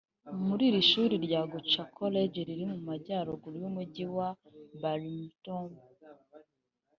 mu ishuri rya Goucher College riri mu Majyaruguru y’Umujyi wa Baltimore